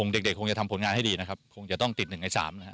เด็กคงจะทำผลงานให้ดีคงจะต้องติดหนึ่งในสาม